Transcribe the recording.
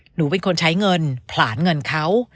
หนูเป็นคนใช้เงินผลานเงินเขา